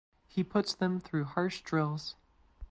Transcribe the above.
He puts them through harsh drills.